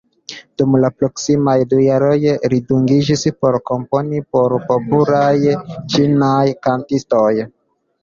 Dum la proksimaj du jaroj, li dungiĝis por komponi por popularaj ĉinaj kantistoj.